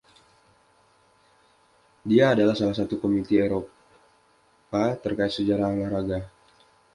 Dia adalah salah satu komite Eropa terkait sejarah olahraga.